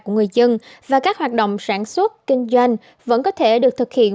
của người dân và các hoạt động sản xuất kinh doanh vẫn có thể được thực hiện